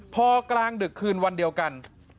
พอกลางดึกคืนวันเดียวกัน